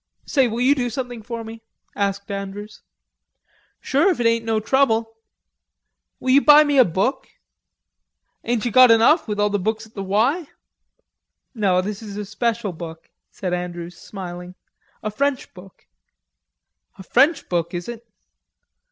"Say, will you do something for me?" asked Andrews. "Sure, if it ain't no trouble." "Will you buy me a book?" "Ain't ye got enough with all the books at the 'Y'?" "No.... This is a special book," said Andrews smiling, "a French book." "A French book, is it?